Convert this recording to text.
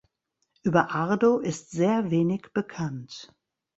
Über Ardo ist sehr wenig bekannt.